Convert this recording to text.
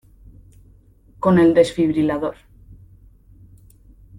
con el desfibrilador.